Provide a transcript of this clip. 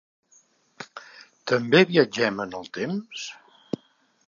També viatgem en el temps?